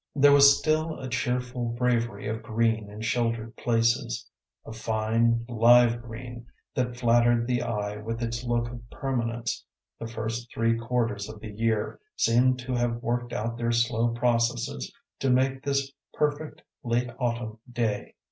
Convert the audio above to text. There was still a cheerful bravery of green in sheltered places, a fine, live green that flattered the eye with its look of permanence; the first three quarters of the year seemed to have worked out their slow processes to make this perfect late autumn day.